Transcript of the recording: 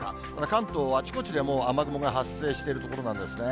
関東はあちこちでもう雨雲が発生しているところなんですね。